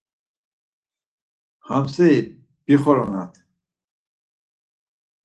Hamseri bixoronat.